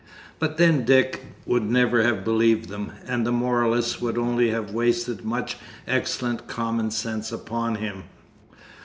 But then Dick would never have believed them, and the moralists would only have wasted much excellent common sense upon him.